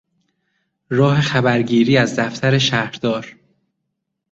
راه خبرگیری از دفتر شهردار